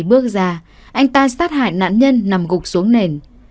bước ra anh ta sát hại nạn nhân nằm gục xuống nền